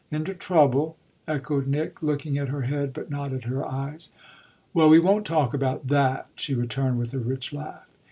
"Into trouble?" echoed Nick, looking at her head but not at her eyes. "Well, we won't talk about that!" she returned with a rich laugh.